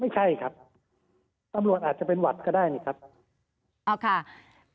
ไม่ใช่ครับตำรวจอาจจะเป็นหวัดก็ได้นี่ครับอ๋อค่ะ